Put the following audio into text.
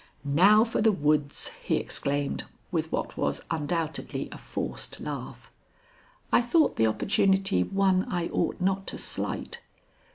"Now for the woods," he exclaimed, with what was undoubtedly a forced laugh. I thought the opportunity one I ought not to slight.